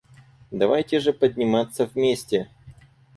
Давайте же подниматься вместе.